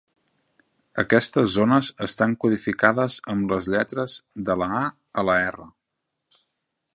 Aquestes zones estan codificades amb les lletres de la "A" a la "R".